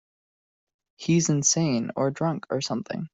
He's insane or drunk or something.